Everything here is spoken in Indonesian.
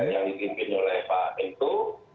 yang diimpin oleh pak eko